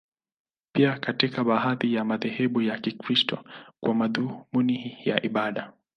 Pia katika baadhi ya madhehebu ya Kikristo, kwa madhumuni ya ibada.